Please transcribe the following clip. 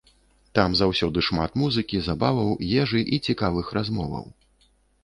Там заўсёды шмат музыкі, забаваў, ежы і цікавых размоваў.